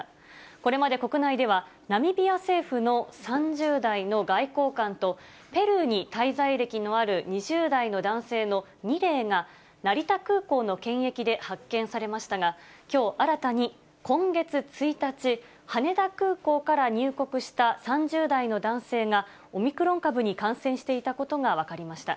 これまで国内では、ナミビア政府の３０代の外交官と、ペルーに滞在歴のある２０代の男性の２例が、成田空港の検疫で発見されましたが、きょう新たに今月１日、羽田空港から入国した３０代の男性が、オミクロン株に感染していたことが分かりました。